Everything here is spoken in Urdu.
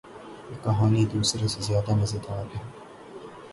یہ کہانی دوسرے سے زیادو مزیدار ہے